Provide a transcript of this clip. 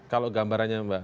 kalau gambarannya mbak